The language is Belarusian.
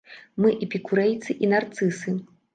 Мы эпікурэйцы і нарцысы!